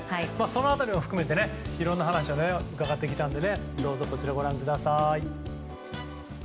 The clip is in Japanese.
そのあたりも含めていろいろな話を伺ってきたのでどうぞ、ご覧ください。